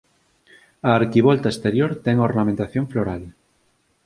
A arquivolta exterior ten ornamentación floral